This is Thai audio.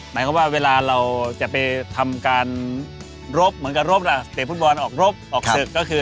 หมายความว่าเวลาเราจะไปทำการรบเหมือนกับรบล่ะสเตะฟุตบอลออกรบออกศึกก็คือ